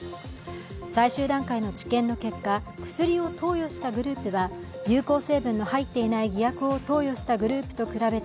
最終段階の治験の結果、薬を投与したグループは有効成分の入っていない偽薬を投与したグループと比べて